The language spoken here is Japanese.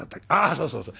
そうそうそう。